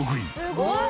「すごーい！」